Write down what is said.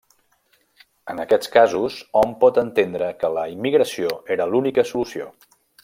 En aquests casos hom pot entendre que la immigració era l'única solució.